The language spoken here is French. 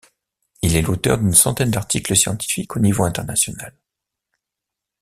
Il est l’auteur d’une centaine d’articles scientifiques au niveau international.